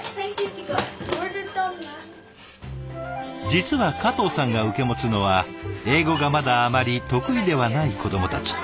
実は加藤さんが受け持つのは英語がまだあまり得意ではない子どもたち。